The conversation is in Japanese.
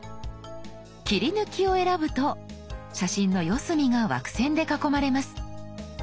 「切り抜き」を選ぶと写真の四隅が枠線で囲まれます。